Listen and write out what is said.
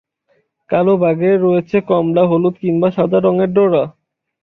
কালো বাঘের রয়েছে কমলা, হলুদ কিংবা সাদা রঙের ডোরা।